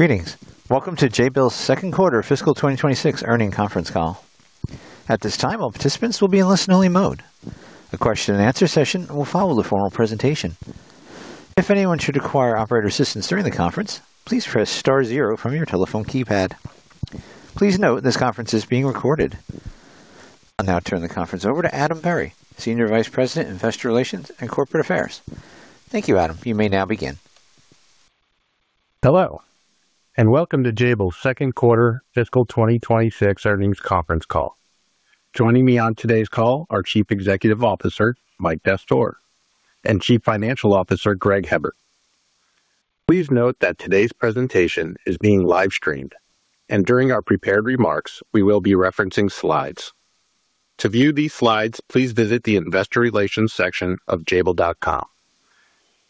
Greetings. Welcome to Jabil's second quarter fiscal 2026 earnings conference call. At this time, all participants will be in listen only mode. A question-and-answer session will follow the formal presentation. If anyone should require operator assistance during the conference, please press star zero from your telephone keypad. Please note this conference is being recorded. I'll now turn the conference over to Adam Berry, Senior Vice President, Investor Relations and Corporate Affairs. Thank you, Adam. You may now begin. Hello and welcome to Jabil's second quarter fiscal 2026 earnings conference call. Joining me on today's call are Chief Executive Officer Mike Dastoor and Chief Financial Officer Greg Hebard. Please note that today's presentation is being live streamed and during our prepared remarks, we will be referencing slides. To view these slides, please visit the investor relations section of jabil.com.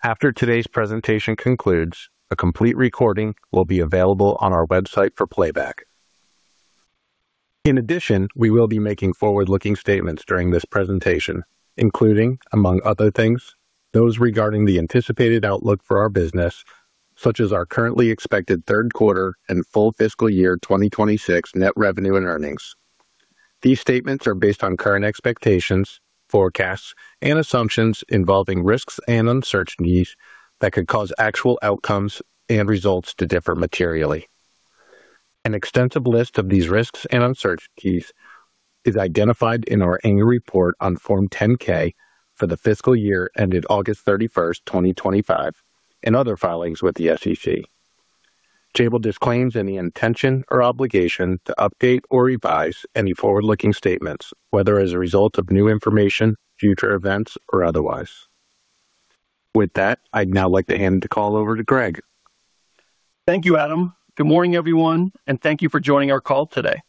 After today's presentation concludes, a complete recording will be available on our website for playback. In addition, we will be making forward-looking statements during this presentation, including, among other things, those regarding the anticipated outlook for our business, such as our currently expected third quarter and full fiscal year 2026 net revenue and earnings. These statements are based on current expectations, forecasts and assumptions involving risks and uncertainties that could cause actual outcomes and results to differ materially. An extensive list of these risks and uncertainties is identified in our annual report on Form 10-K for the fiscal year ended August 31st, 2025, and other filings with the SEC. Jabil disclaims any intention or obligation to update or revise any forward-looking statements, whether as a result of new information, future events, or otherwise. With that, I'd now like to hand the call over to Greg. Thank you, Adam. Good morning, everyone, and thank you for joining our call today.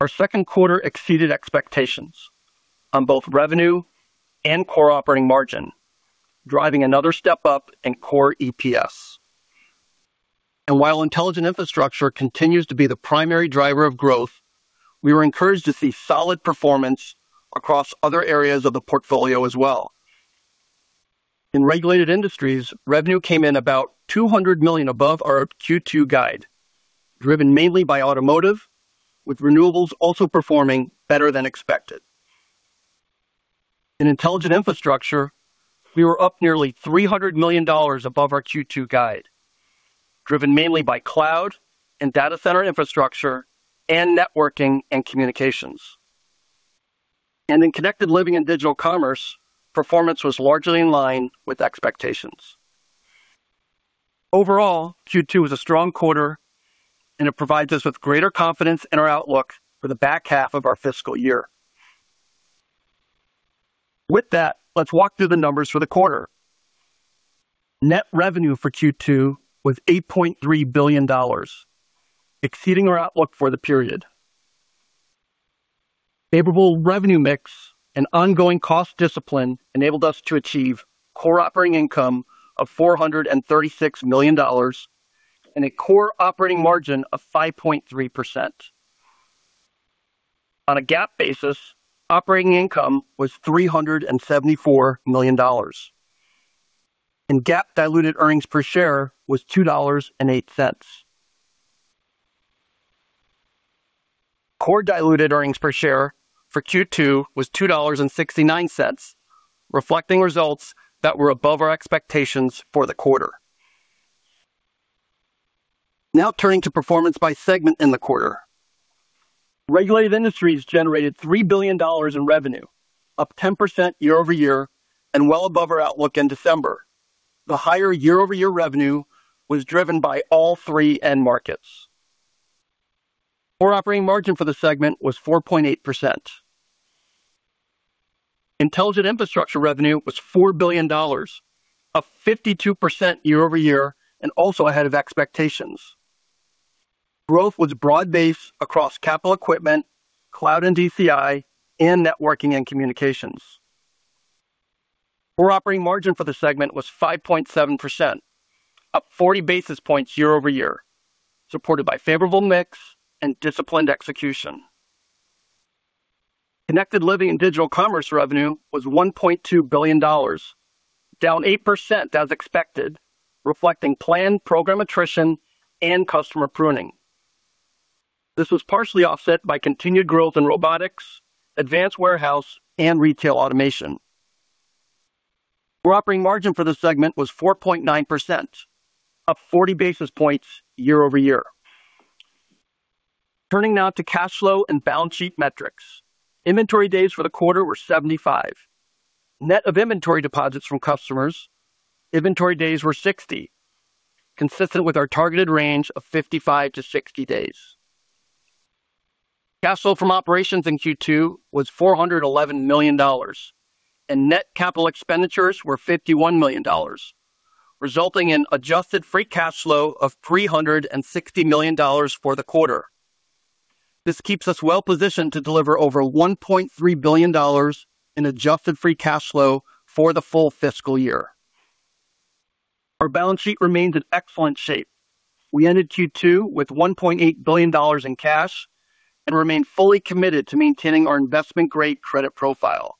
Our second quarter exceeded expectations on both revenue and core operating margin, driving another step up in core EPS. While intelligent infrastructure continues to be the primary driver of growth, we were encouraged to see solid performance across other areas of the portfolio as well. In regulated industries, revenue came in about $200 million above our Q2 guide, driven mainly by automotive, with renewables also performing better than expected. In intelligent infrastructure, we were up nearly $300 million above our Q2 guide, driven mainly by cloud and data center infrastructure and networking and communications. In connected living and digital commerce, performance was largely in line with expectations. Overall, Q2 was a strong quarter, and it provides us with greater confidence in our outlook for the back half of our fiscal year. With that, let's walk through the numbers for the quarter. Net revenue for Q2 was $8.3 billion, exceeding our outlook for the period. Favorable revenue mix and ongoing cost discipline enabled us to achieve core operating income of $436 million and a core operating margin of 5.3%. On a GAAP basis, operating income was $374 million, and GAAP diluted earnings per share was $2.08. Core diluted earnings per share for Q2 was $2.69, reflecting results that were above our expectations for the quarter. Now turning to performance by segment in the quarter. Regulated Industries generated $3 billion in revenue, up 10% year-over-year and well above our outlook in December. The higher year-over-year revenue was driven by all three end markets. Core operating margin for the segment was 4.8%. Intelligent Infrastructure revenue was $4 billion, up 52% year-over-year and also ahead of expectations. Growth was broad-based across capital equipment, cloud and DCI, and networking and communications. Core operating margin for the segment was 5.7%, up 40 basis points year-over-year, supported by favorable mix and disciplined execution. Connected Living and Digital Commerce revenue was $1.2 billion, down 8% as expected, reflecting planned program attrition and customer pruning. This was partially offset by continued growth in robotics, advanced warehouse, and retail automation. Core operating margin for the segment was 4.9%, up 40 basis points year-over-year. Turning now to cash flow and balance sheet metrics. Inventory days for the quarter were 75. Net of inventory deposits from customers, inventory days were 60, consistent with our targeted range of 55-60 days. Cash flow from operations in Q2 was $411 million, and net capital expenditures were $51 million, resulting in adjusted free cash flow of $360 million for the quarter. This keeps us well-positioned to deliver over $1.3 billion in adjusted free cash flow for the full fiscal year. Our balance sheet remains in excellent shape. We ended Q2 with $1.8 billion in cash and remain fully committed to maintaining our investment-grade credit profile.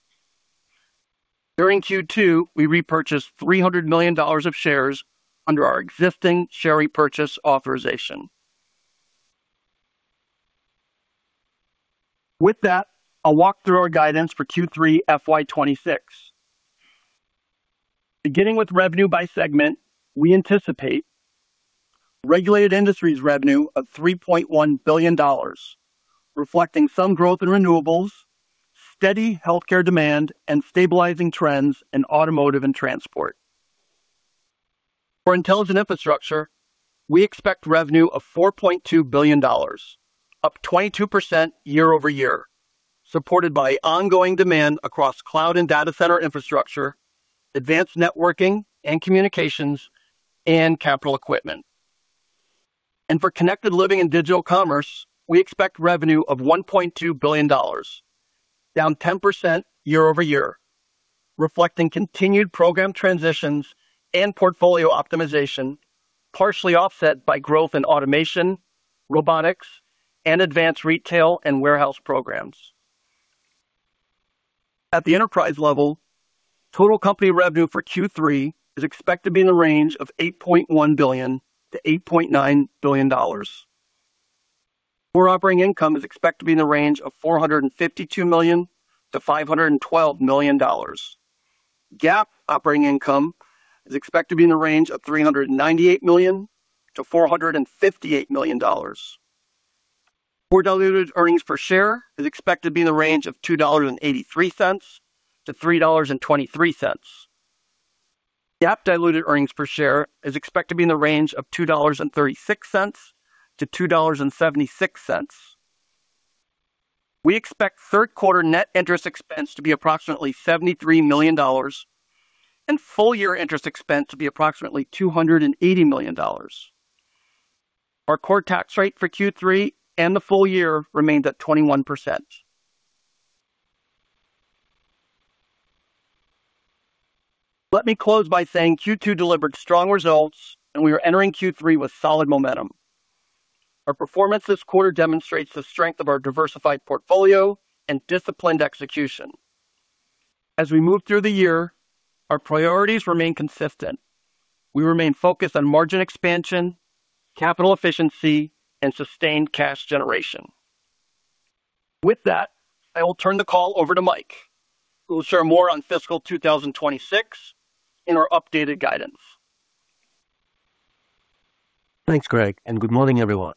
During Q2, we repurchased $300 million of shares under our existing share repurchase authorization. With that, I'll walk through our guidance for Q3 FY 2026. Beginning with revenue by segment, we anticipate Regulated Industries revenue of $3.1 billion, reflecting some growth in renewables, steady healthcare demand, and stabilizing trends in automotive and transport. For Intelligent Infrastructure, we expect revenue of $4.2 billion, up 22% year-over-year, supported by ongoing demand across cloud and data center infrastructure, advanced networking and communications, and capital equipment. For Connected Living and Digital Commerce, we expect revenue of $1.2 billion, down 10% year-over-year, reflecting continued program transitions and portfolio optimization, partially offset by growth in automation, robotics, and advanced retail and warehouse programs. At the enterprise level, total company revenue for Q3 is expected to be in the range of $8.1 billion-$8.9 billion. Core operating income is expected to be in the range of $452 million-$512 million. GAAP operating income is expected to be in the range of $398 million-$458 million. Core diluted earnings per share is expected to be in the range of $2.83-$3.23. GAAP diluted earnings per share is expected to be in the range of $2.36-$2.76. We expect third quarter net interest expense to be approximately $73 million and full year interest expense to be approximately $280 million. Our core tax rate for Q3 and the full year remains at 21%. Let me close by saying Q2 delivered strong results, and we are entering Q3 with solid momentum. Our performance this quarter demonstrates the strength of our diversified portfolio and disciplined execution. As we move through the year, our priorities remain consistent. We remain focused on margin expansion, capital efficiency, and sustained cash generation. With that, I will turn the call over to Mike, who will share more on fiscal 2026 and our updated guidance. Thanks, Greg, and good morning, everyone.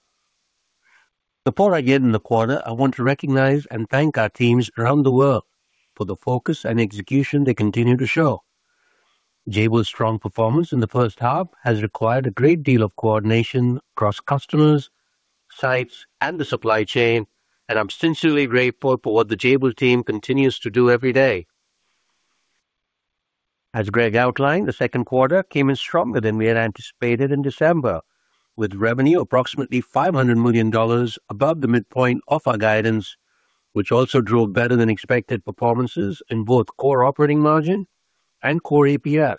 Before I get in the quarter, I want to recognize and thank our teams around the world for the focus and execution they continue to show. Jabil's strong performance in the first half has required a great deal of coordination across customers, sites, and the supply chain, and I'm sincerely grateful for what the Jabil team continues to do every day. As Greg outlined, the second quarter came in stronger than we had anticipated in December, with revenue approximately $500 million above the midpoint of our guidance, which also drove better than expected performances in both core operating margin and core EPS.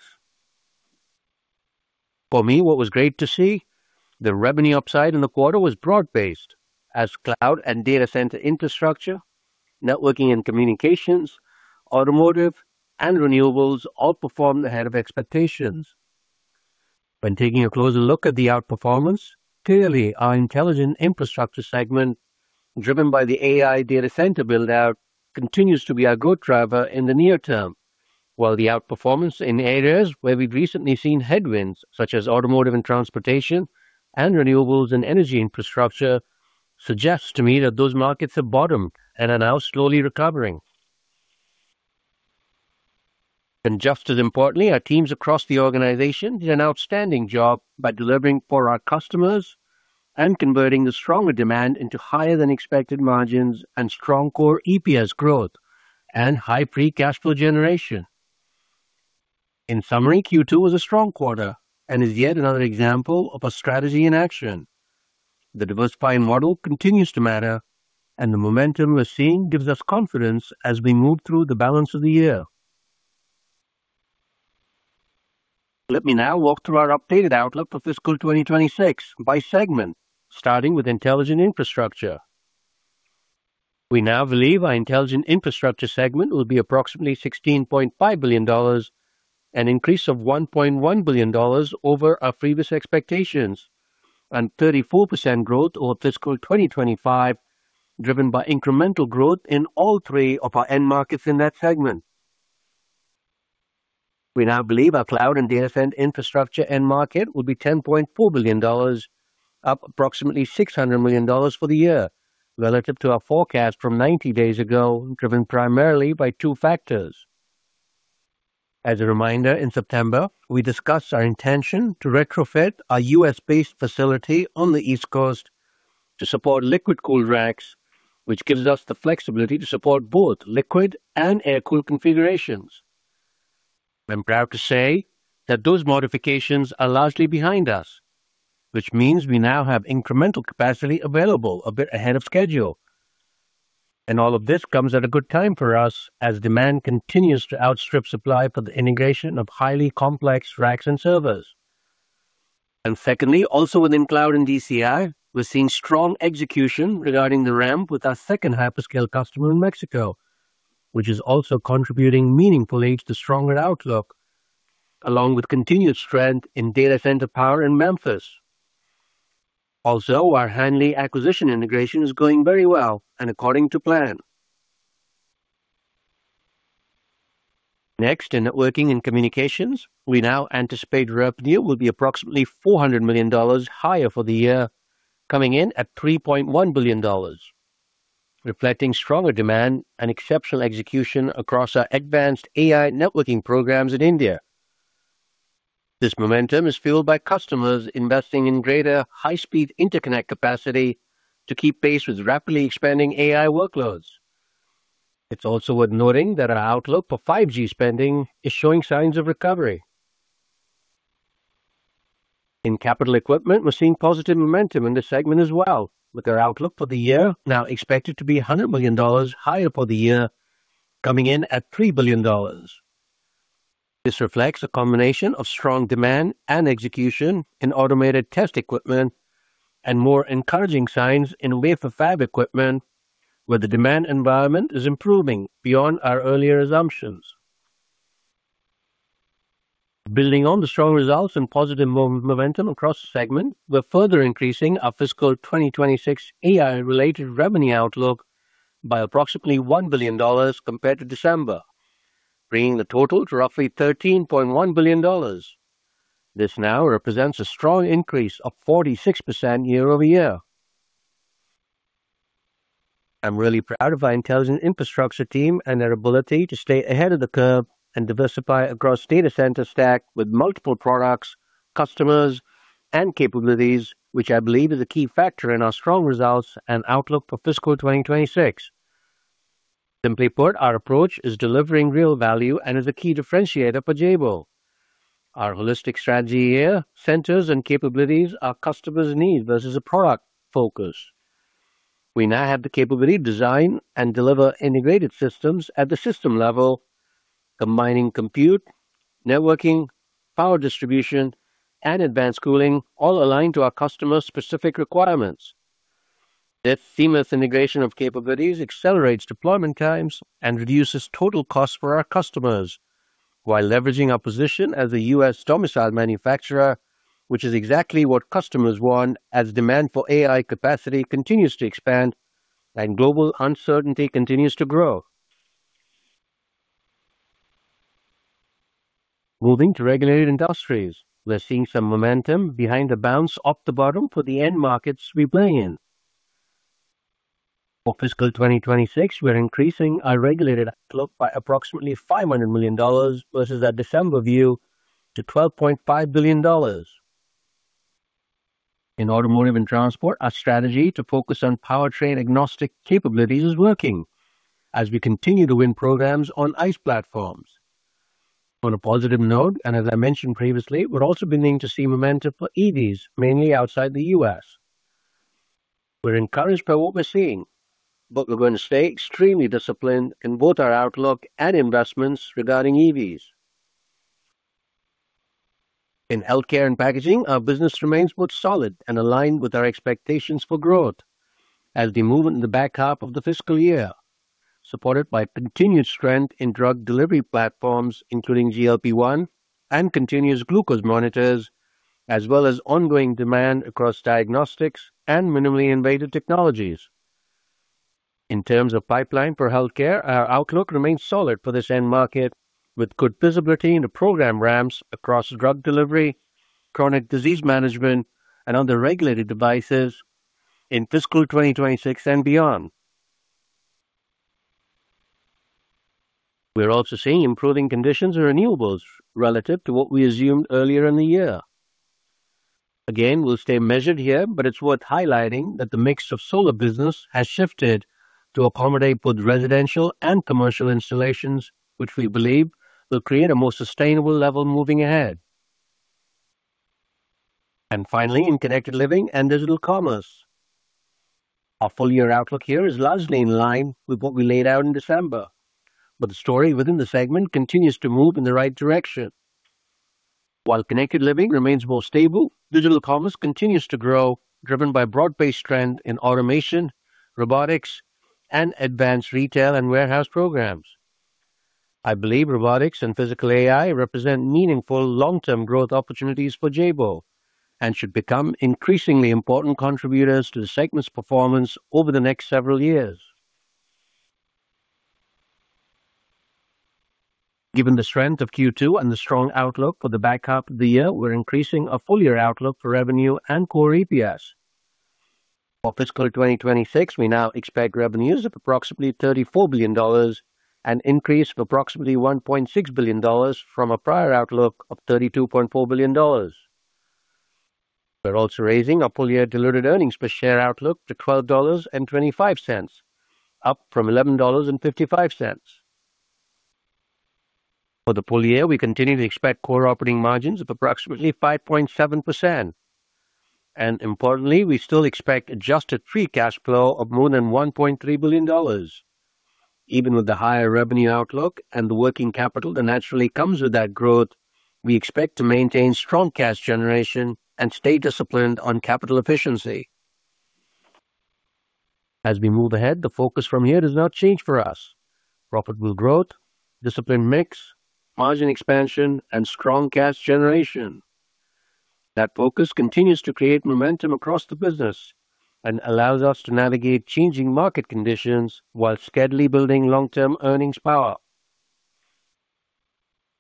For me, what was great to see, the revenue upside in the quarter was broad-based as cloud and data center infrastructure, networking and communications, automotive, and renewables all performed ahead of expectations. When taking a closer look at the outperformance, clearly our Intelligent Infrastructure segment, driven by the AI data center build-out, continues to be our growth driver in the near term, while the outperformance in areas where we've recently seen headwinds, such as automotive and transportation and renewables and energy infrastructure, suggests to me that those markets have bottomed and are now slowly recovering. Just as importantly, our teams across the organization did an outstanding job by delivering for our customers and converting the stronger demand into higher than expected margins and strong core EPS growth and high free cash flow generation. In summary, Q2 was a strong quarter and is yet another example of our strategy in action. The diversifying model continues to matter, and the momentum we're seeing gives us confidence as we move through the balance of the year. Let me now walk through our updated outlook for fiscal 2026 by segment, starting with Intelligent Infrastructure. We now believe our Intelligent Infrastructure segment will be approximately $16.5 billion, an increase of $1.1 billion over our previous expectations and 34% growth over fiscal 2025, driven by incremental growth in all three of our end markets in that segment. We now believe our cloud and data center infrastructure end market will be $10.4 billion, up approximately $600 million for the year relative to our forecast from 90 days ago, driven primarily by two factors. As a reminder, in September, we discussed our intention to retrofit our U.S.-based facility on the East Coast to support liquid-cooled racks, which gives us the flexibility to support both liquid and air-cooled configurations. I'm proud to say that those modifications are largely behind us, which means we now have incremental capacity available a bit ahead of schedule. All of this comes at a good time for us as demand continues to outstrip supply for the integration of highly complex racks and servers. Secondly, also within cloud and DCI, we're seeing strong execution regarding the ramp with our second hyperscale customer in Mexico, which is also contributing meaningfully to stronger outlook, along with continued strength in data center power in Memphis. Also, our Hanley acquisition integration is going very well and according to plan. Next, in networking and communications, we now anticipate revenue will be approximately $400 million higher for the year, coming in at $3.1 billion, reflecting stronger demand and exceptional execution across our advanced AI networking programs in India. This momentum is fueled by customers investing in greater high-speed interconnect capacity to keep pace with rapidly expanding AI workloads. It's also worth noting that our outlook for 5G spending is showing signs of recovery. In capital equipment, we're seeing positive momentum in this segment as well, with our outlook for the year now expected to be $100 million higher for the year, coming in at $3 billion. This reflects a combination of strong demand and execution in automated test equipment and more encouraging signs in wafer fab equipment, where the demand environment is improving beyond our earlier assumptions. Building on the strong results and positive momentum across the segment, we're further increasing our fiscal 2026 AI-related revenue outlook by approximately $1 billion compared to December, bringing the total to roughly $13.1 billion. This now represents a strong increase of 46% year-over-year. I'm really proud of our Intelligent Infrastructure team and their ability to stay ahead of the curve and diversify across data center stack with multiple products, customers, and capabilities, which I believe is a key factor in our strong results and outlook for fiscal 2026. Simply put, our approach is delivering real value and is a key differentiator for Jabil. Our holistic strategy here centers on capabilities our customers' needs versus a product focus. We now have the capability to design and deliver integrated systems at the system level, combining compute, networking, power distribution, and advanced cooling, all aligned to our customers' specific requirements. This seamless integration of capabilities accelerates deployment times and reduces total cost for our customers while leveraging our position as a U.S.-domiciled manufacturer, which is exactly what customers want as demand for AI capacity continues to expand and global uncertainty continues to grow. Moving to regulated industries, we're seeing some momentum behind the bounce off the bottom for the end markets we play in. For fiscal 2026, we're increasing our regulated outlook by approximately $500 million versus our December view to $12.5 billion. In automotive and transport, our strategy to focus on powertrain-agnostic capabilities is working as we continue to win programs on ICE platforms. On a positive note, and as I mentioned previously, we're also beginning to see momentum for EVs, mainly outside the U.S. We're encouraged by what we're seeing, but we're going to stay extremely disciplined in both our outlook and investments regarding EVs. In healthcare and packaging, our business remains both solid and aligned with our expectations for growth as we move into the back half of the fiscal year, supported by continued strength in drug delivery platforms, including GLP-1 and continuous glucose monitors, as well as ongoing demand across diagnostics and minimally invasive technologies. In terms of pipeline for healthcare, our outlook remains solid for this end market, with good visibility into program ramps across drug delivery, chronic disease management, and other regulated devices in fiscal 2026 and beyond. We're also seeing improving conditions in renewables relative to what we assumed earlier in the year. Again, we'll stay measured here, but it's worth highlighting that the mix of solar business has shifted to accommodate both residential and commercial installations, which we believe will create a more sustainable level moving ahead. Finally, in Connected Living and Digital Commerce. Our full-year outlook here is largely in line with what we laid out in December, but the story within the segment continues to move in the right direction. While Connected Living remains more stable, Digital Commerce continues to grow, driven by broad-based trend in automation, robotics, and advanced retail and warehouse programs. I believe robotics and Physical AI represent meaningful long-term growth opportunities for Jabil and should become increasingly important contributors to the segment's performance over the next several years. Given the strength of Q2 and the strong outlook for the back half of the year, we're increasing our full-year outlook for revenue and core EPS. For fiscal 2026, we now expect revenues of approximately $34 billion, an increase of approximately $1.6 billion from our prior outlook of $32.4 billion. We're also raising our full-year diluted earnings per share outlook to $12.25, up from $11.55. For the full year, we continue to expect core operating margins of approximately 5.7%. Importantly, we still expect adjusted free cash flow of more than $1.3 billion. Even with the higher revenue outlook and the working capital that naturally comes with that growth, we expect to maintain strong cash generation and stay disciplined on capital efficiency. As we move ahead, the focus from here does not change for us. Profitable growth, disciplined mix, margin expansion and strong cash generation. That focus continues to create momentum across the business and allows us to navigate changing market conditions while steadily building long-term earnings power.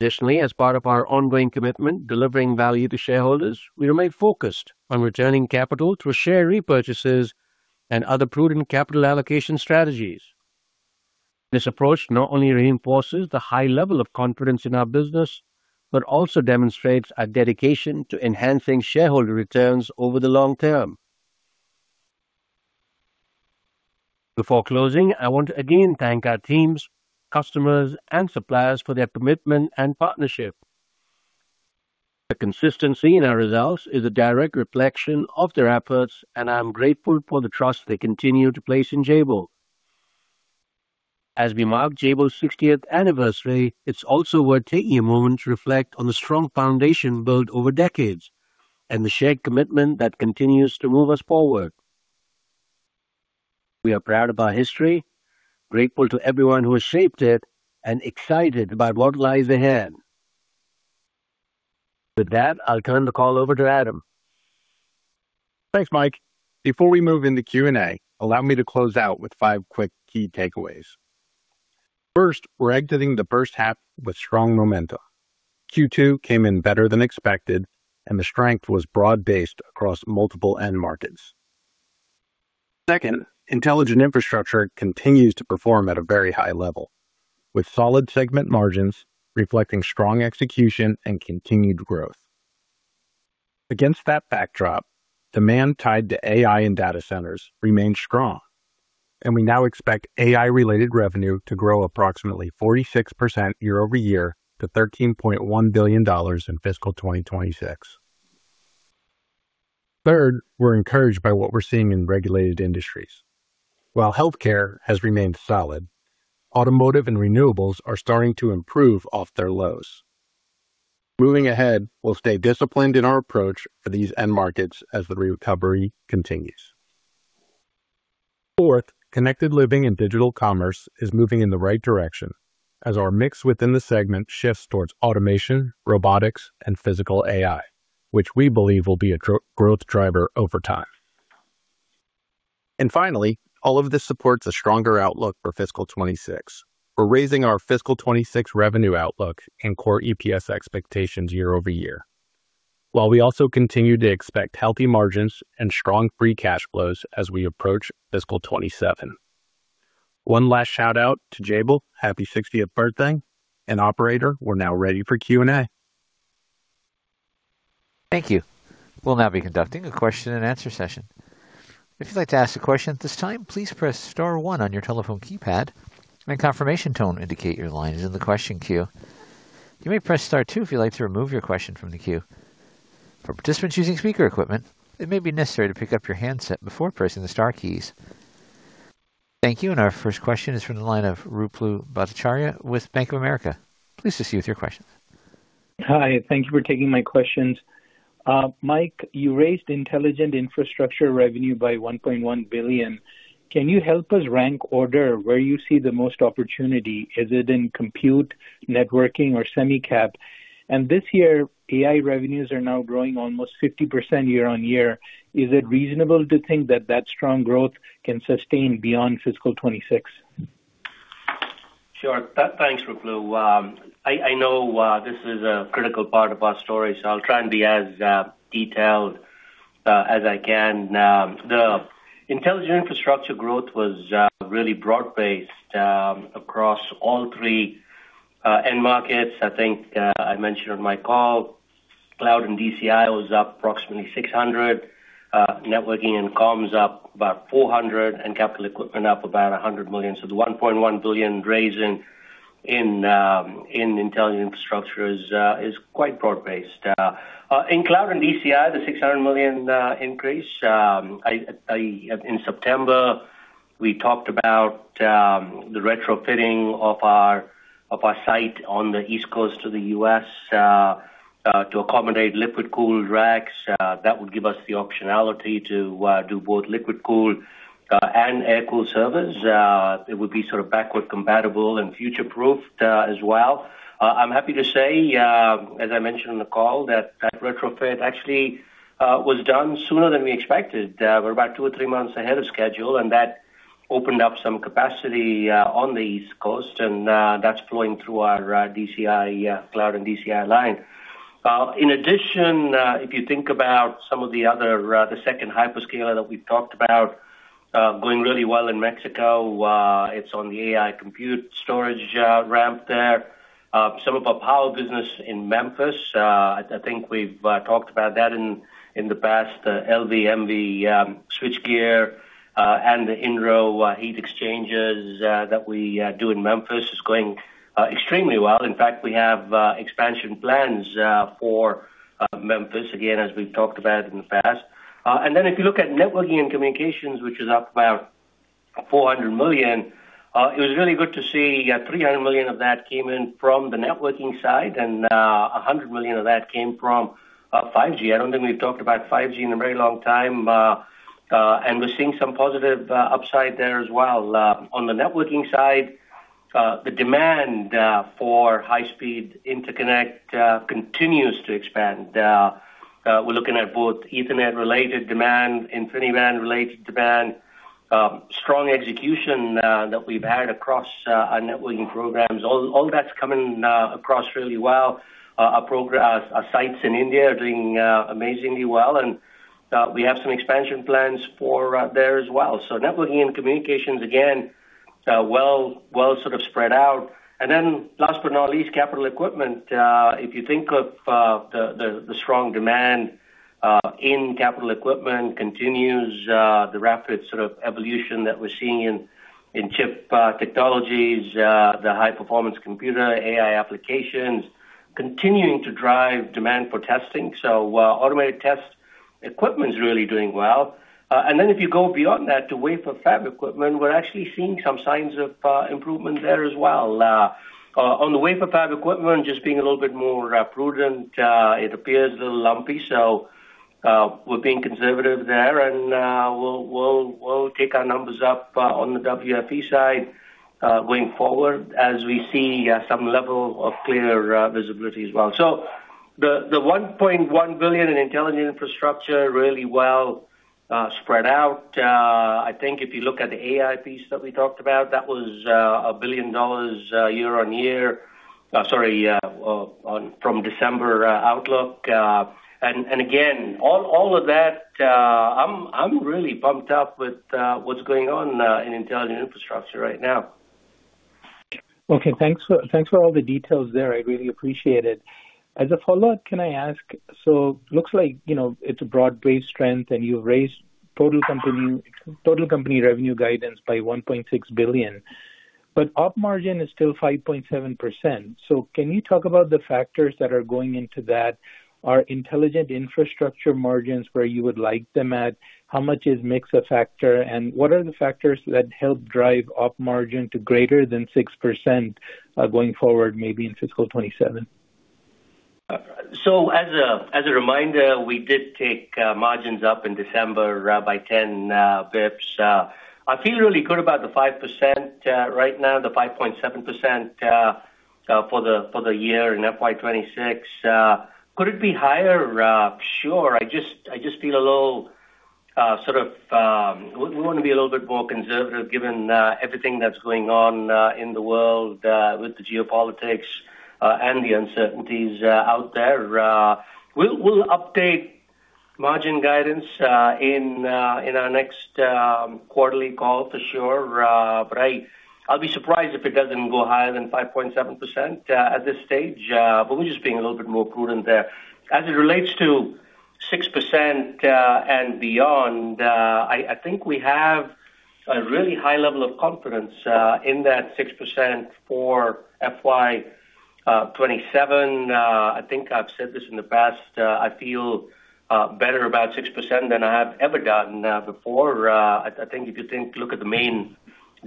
Additionally, as part of our ongoing commitment delivering value to shareholders, we remain focused on returning capital through share repurchases and other prudent capital allocation strategies. This approach not only reinforces the high level of confidence in our business, but also demonstrates our dedication to enhancing shareholder returns over the long term. Before closing, I want to again thank our teams, customers, and suppliers for their commitment and partnership. The consistency in our results is a direct reflection of their efforts, and I am grateful for the trust they continue to place in Jabil. As we mark Jabil's sixtieth anniversary, it's also worth taking a moment to reflect on the strong foundation built over decades and the shared commitment that continues to move us forward. We are proud of our history, grateful to everyone who has shaped it, and excited about what lies ahead. With that, I'll turn the call over to Adam. Thanks, Mike. Before we move into Q&A, allow me to close out with five quick key takeaways. First, we're exiting the first half with strong momentum. Q2 came in better than expected, and the strength was broad-based across multiple end markets. Second, Intelligent Infrastructure continues to perform at a very high level, with solid segment margins reflecting strong execution and continued growth. Against that backdrop, demand tied to AI and data centers remains strong, and we now expect AI-related revenue to grow approximately 46% year-over-year to $13.1 billion in fiscal 2026. Third, we're encouraged by what we're seeing in Regulated Industries. While healthcare has remained solid, automotive and renewables are starting to improve off their lows. Moving ahead, we'll stay disciplined in our approach for these end markets as the recovery continues. Fourth, Connected Living and Digital Commerce is moving in the right direction as our mix within the segment shifts towards automation, robotics, and Physical AI, which we believe will be a growth driver over time. Finally, all of this supports a stronger outlook for fiscal 2026. We're raising our fiscal 2026 revenue outlook and core EPS expectations year-over-year, while we also continue to expect healthy margins and strong free cash flows as we approach fiscal 2027. One last shout-out to Jabil. Happy 60th birthday. Operator, we're now ready for Q&A. Thank you. We'll now be conducting a question-and-answer session. If you'd like to ask a question at this time, please press star one on your telephone keypad and a confirmation tone indicate your line is in the question queue. You may press star two if you'd like to remove your question from the queue. For participants using speaker equipment, it may be necessary to pick up your handset before pressing the star keys. Thank you. Our first question is from the line of Ruplu Bhattacharya with Bank of America. Please proceed with your question. Hi. Thank you for taking my questions. Mike, you raised Intelligent Infrastructure revenue by $1.1 billion. Can you help us rank order where you see the most opportunity? Is it in compute, networking or semi cap? This year, AI revenues are now growing almost 50% year-on-year. Is it reasonable to think that that strong growth can sustain beyond fiscal 2026? Sure. Thanks, Ruplu. I know this is a critical part of our story, so I'll try and be as detailed as I can. The Intelligent Infrastructure growth was really broad-based across all three end markets. I think I mentioned on my call, Cloud and DCI was up approximately $600 million, networking and comms up about $400 million, and capital equipment up about $100 million. The $1.1 billion raise in Intelligent Infrastructure is quite broad-based. In Cloud and DCI, the $600 million increase. In September, we talked about the retrofitting of our site on the East Coast of the U.S. to accommodate liquid-cooled racks. That would give us the optionality to do both liquid cooled and air-cooled servers. It would be sort of backward compatible and future-proofed as well. I'm happy to say, as I mentioned on the call, that retrofit actually was done sooner than we expected. We're about two or three months ahead of schedule, and that opened up some capacity on the East Coast, and that's flowing through our DCI cloud and DCI line. In addition, if you think about some of the other, the second hyperscaler that we've talked about, going really well in Mexico, it's on the AI compute storage ramp there. Some of our power business in Memphis, I think we've talked about that in the past, LV, MV switchgear. The in-row heat exchangers that we do in Memphis is going extremely well. In fact, we have expansion plans for Memphis again, as we've talked about in the past. If you look at networking and communications, which is up about $400 million, it was really good to see $300 million of that came in from the networking side, and $100 million of that came from 5G. I don't think we've talked about 5G in a very long time, and we're seeing some positive upside there as well. On the networking side, the demand for high-speed interconnect continues to expand. We're looking at both Ethernet-related demand, InfiniBand-related demand, strong execution that we've had across our networking programs. All that's coming across really well. Our sites in India are doing amazingly well, and we have some expansion plans for there as well. Networking and communications, again, well sort of spread out. Last but not least, capital equipment. If you think of the strong demand in capital equipment continues, the rapid sort of evolution that we're seeing in chip technologies, the high-performance computing, AI applications continuing to drive demand for testing. Automated Test Equipment's really doing well. If you go beyond that to wafer fab equipment, we're actually seeing some signs of improvement there as well. On the wafer fab equipment, just being a little bit more prudent, it appears a little lumpy, so we're being conservative there, and we'll take our numbers up on the WFE side going forward as we see some level of clearer visibility as well. The $1.1 billion in Intelligent Infrastructure really well spread out. I think if you look at the AI piece that we talked about, that was $1 billion year-on-year. Sorry, from December outlook. Again, all of that, I'm really pumped up with what's going on in Intelligent Infrastructure right now. Okay. Thanks for all the details there. I really appreciate it. As a follow-up, can I ask? Looks like, you know, it's a broad-based strength, and you've raised total company revenue guidance by $1.6 billion, but op margin is still 5.7%. Can you talk about the factors that are going into that? Are Intelligent Infrastructure margins where you would like them at? How much is mix a factor, and what are the factors that help drive op margin to greater than 6%, going forward, maybe in fiscal 2027? As a reminder, we did take margins up in December by 10 bps. I feel really good about the 5% right now, the 5.7% for the year in FY 2026. Could it be higher? Sure. I just feel a little sort of. We wanna be a little bit more conservative given everything that's going on in the world with the geopolitics and the uncertainties out there. We'll update margin guidance in our next quarterly call for sure, but I'll be surprised if it doesn't go higher than 5.7% at this stage, but we're just being a little bit more prudent there. As it relates to 6% and beyond, I think we have a really high level of confidence in that 6% for FY 2027. I think I've said this in the past, I feel better about 6% than I have ever gotten before. I think if you look at the main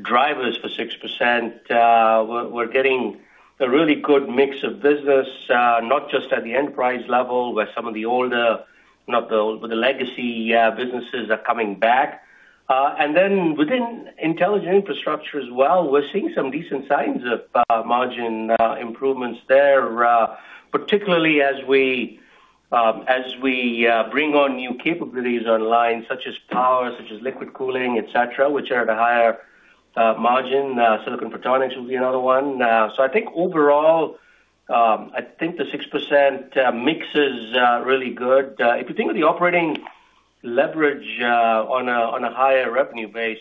drivers for 6%, we're getting a really good mix of business, not just at the enterprise level, where some of the older, not the old, but the legacy businesses are coming back. Within Intelligent Infrastructure as well, we're seeing some decent signs of margin improvements there, particularly as we bring on new capabilities online, such as power, such as liquid cooling, et cetera, which are at a higher margin. Silicon Photonics will be another one. I think overall, the 6% mix is really good. If you think of the operating leverage on a higher revenue base,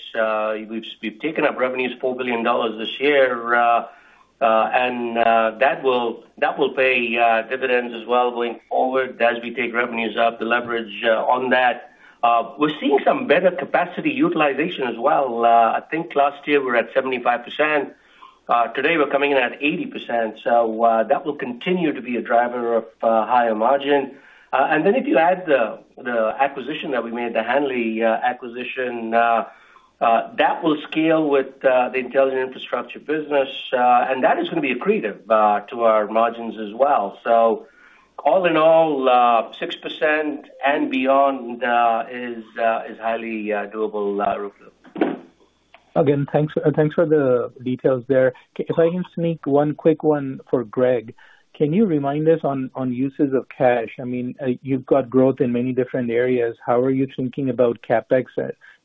we've taken up revenues $4 billion this year, and that will pay dividends as well going forward as we take revenues up, the leverage on that. We're seeing some better capacity utilization as well. I think last year we were at 75%. Today we're coming in at 80%, so that will continue to be a driver of higher margin. If you add the acquisition that we made, the Hanley acquisition, that will scale with the Intelligent Infrastructure business, and that is gonna be accretive to our margins as well. All in all, 6% and beyond is highly doable, Ruplu. Again, thanks for the details there. If I can sneak one quick one for Greg. Can you remind us on uses of cash? I mean, you've got growth in many different areas. How are you thinking about CapEx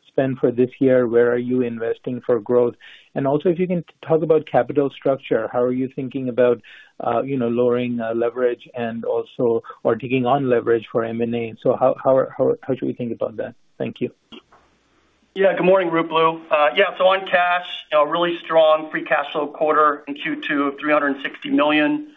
spend for this year? Where are you investing for growth? And also, if you can talk about capital structure, how are you thinking about you know, lowering leverage and also or taking on leverage for M&A? How should we think about that? Thank you. Yeah. Good morning, Ruplu. Yeah, so on cash, really strong free cash flow quarter in Q2 of $360 million.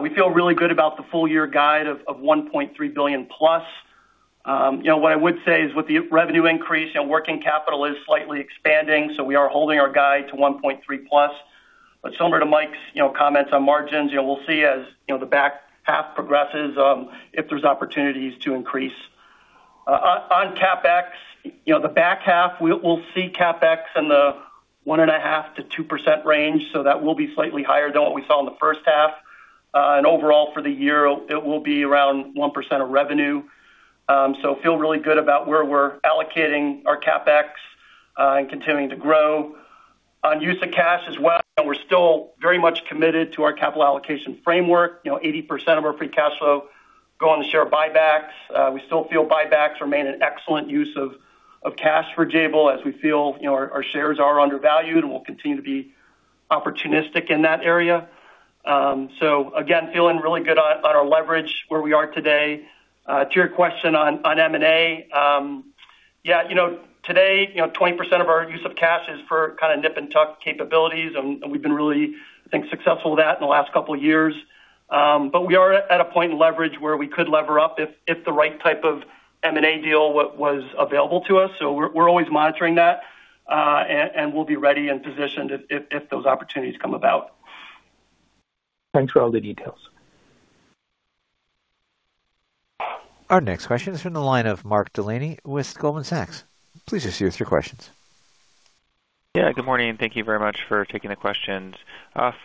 We feel really good about the full year guide of $1.3 billion+. You know, what I would say is with the revenue increase, you know, working capital is slightly expanding, so we are holding our guide to $1.3+. Similar to Mike's, you know, comments on margins, you know, we'll see as, you know, the back half progresses, if there's opportunities to increase. On CapEx, you know, the back half we'll see CapEx in the 1.5%-2% range, so that will be slightly higher than what we saw in the first half. Overall for the year it will be around 1% of revenue. We feel really good about where we're allocating our CapEx and continuing to grow. On use of cash as well, we're still very much committed to our capital allocation framework. You know, 80% of our free cash flow go on the share buybacks. We still feel buybacks remain an excellent use of cash for Jabil as we feel, you know, our shares are undervalued, and we'll continue to be opportunistic in that area. Again, feeling really good on our leverage where we are today. To your question on M&A. Yeah, you know, today, you know, 20% of our use of cash is for kind of nip and tuck capabilities and we've been really, I think, successful with that in the last couple of years. We are at a point in leverage where we could lever up if the right type of M&A deal was available to us. We're always monitoring that, and we'll be ready and positioned if those opportunities come about. Thanks for all the details. Our next question is from the line of Mark Delaney with Goldman Sachs. Please just give us your questions. Yeah, good morning. Thank you very much for taking the questions.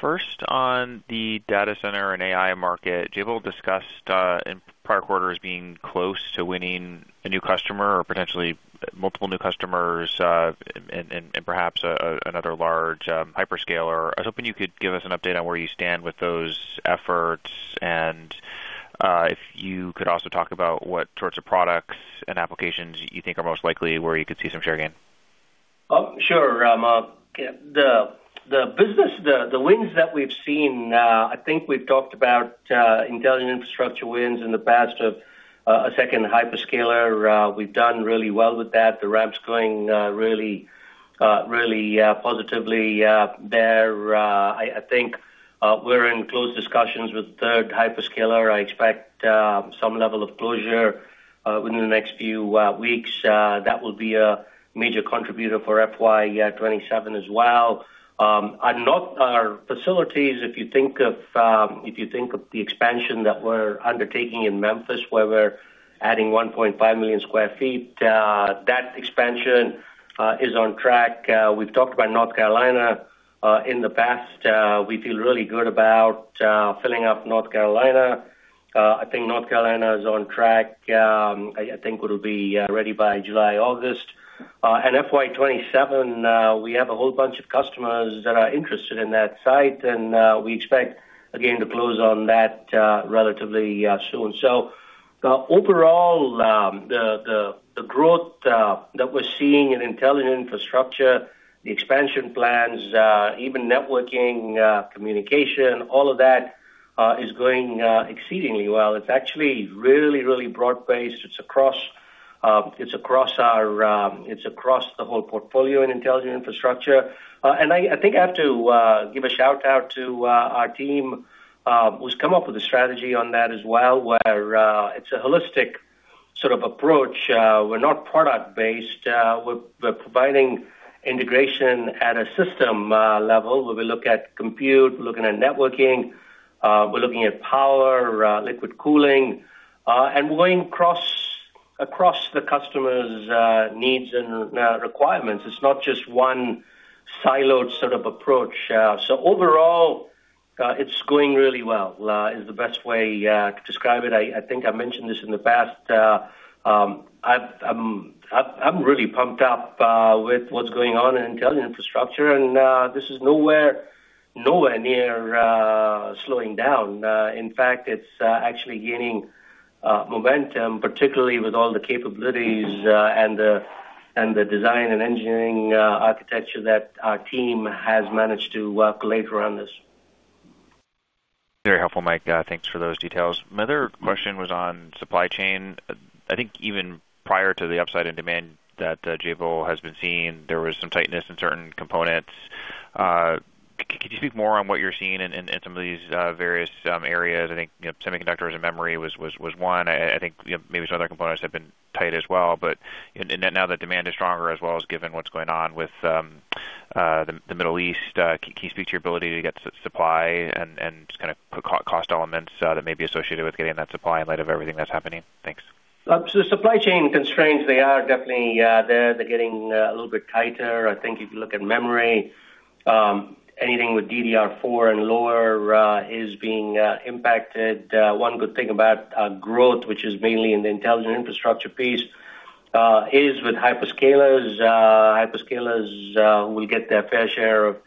First, on the data center and AI market, Jabil discussed in prior quarters being close to winning a new customer or potentially multiple new customers, and perhaps another large hyperscaler. I was hoping you could give us an update on where you stand with those efforts, and if you could also talk about what sorts of products and applications you think are most likely where you could see some share gain. Oh, sure. The wins that we've seen, I think we've talked about Intelligent Infrastructure wins in the past of a second hyperscaler. We've done really well with that. The ramp's going really positively there. I think we're in close discussions with third hyperscaler. I expect some level of closure within the next few weeks. That will be a major contributor for FY 2027 as well. Our facilities, if you think of the expansion that we're undertaking in Memphis, where we're adding 1.5 million sq ft, that expansion is on track. We've talked about North Carolina in the past. We feel really good about filling up North Carolina. I think North Carolina is on track. I think it'll be ready by July, August. FY 2027, we have a whole bunch of customers that are interested in that site, and we expect again to close on that relatively soon. Overall, the growth that we're seeing in Intelligent Infrastructure, the expansion plans, even networking, communication, all of that, is going exceedingly well. It's actually really broad-based. It's across the whole portfolio in Intelligent Infrastructure. I think I have to give a shout out to our team who's come up with a strategy on that as well, where it's a holistic sort of approach. We're not product-based. We're providing integration at a system level, where we look at compute, we're looking at networking, we're looking at power, liquid cooling, and we're going across the customer's needs and requirements. It's not just one siloed sort of approach. Overall, it's going really well is the best way to describe it. I think I mentioned this in the past. I'm really pumped up with what's going on in Intelligent Infrastructure, and this is nowhere near slowing down. In fact, it's actually gaining momentum, particularly with all the capabilities and the design and engineering architecture that our team has managed to collate around this. Very helpful, Mike. Thanks for those details. My other question was on supply chain. I think even prior to the upside in demand that Jabil has been seeing, there was some tightness in certain components. Could you speak more on what you're seeing in some of these various areas? I think, you know, semiconductors and memory was one. I think, you know, maybe some other components have been tight as well. Now that demand is stronger, as well as given what's going on with the Middle East, can you speak to your ability to get supply and kind of cost elements that may be associated with getting that supply in light of everything that's happening? Thanks. Supply chain constraints, they are definitely there. They're getting a little bit tighter. I think if you look at memory, anything with DDR4 and lower is being impacted. One good thing about growth, which is mainly in the Intelligent Infrastructure piece, is with hyperscalers. Hyperscalers will get their fair share of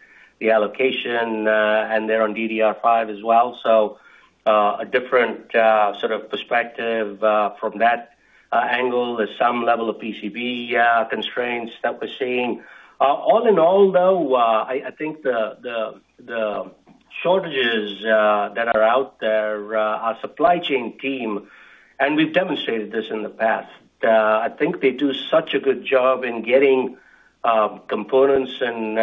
the allocation, and they're on DDR5 as well. A different sort of perspective from that angle. There's some level of PCB constraints that we're seeing. All in all, though, I think the shortages that are out there, our supply chain team, and we've demonstrated this in the past, I think they do such a good job in getting components and